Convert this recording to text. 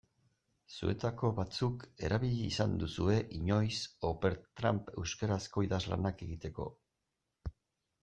Zuetako batzuk erabili izan duzue inoiz Opentrad euskarazko idazlanak egiteko.